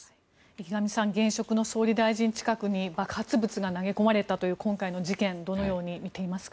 池上さん現職の総理大臣の近くに爆発物が投げ込まれたという今回の事件をどのように見ていますか。